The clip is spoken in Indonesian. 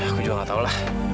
aku juga gak tau lah